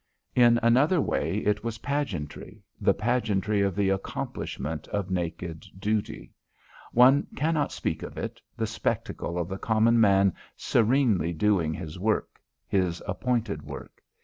In another way it was pageantry, the pageantry of the accomplishment of naked duty. One cannot speak of it the spectacle of the common man serenely doing his work, his appointed work.